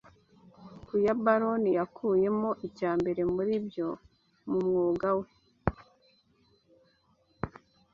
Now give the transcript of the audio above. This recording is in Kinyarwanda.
Ku ya Balon yakuyemo icya mbere muri ibyo mu mwuga we